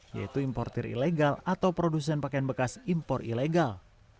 yaitu importer ilegal atau produsen pakaian bekas impor ilegal